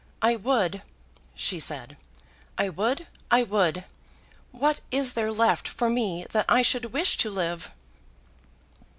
"I would," she said. "I would I would! What is there left for me that I should wish to live?"